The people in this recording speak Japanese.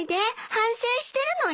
反省してるのよ。